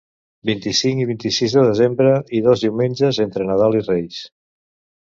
Vint-i-cinc i vint-i-sis de desembre i dos diumenges entre Nadal i Reis.